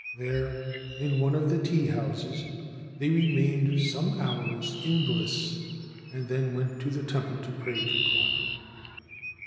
There, in one of the tea houses, they remained some hours in bliss, and then went to the temple to pray to Kwannon.